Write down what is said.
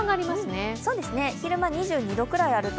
昼間、２２度ぐらいあると。